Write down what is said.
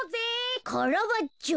カラバッチョ。